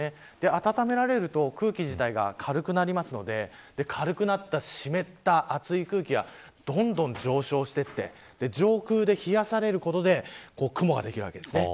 暖められると空気自体が軽くなるので軽くなった湿った熱い空気がどんどん上昇していって上空で冷やされることで雲ができるわけですね。